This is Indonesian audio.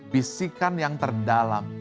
bisikan yang terdalam